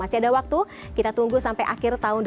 masih ada waktu kita tunggu sampai akhir tahun dua ribu dua